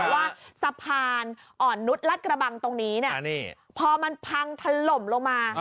ว่าสะพานอ่อนนุษย์รัฐกระบังตรงนี้พอมันพังถล่มลงมา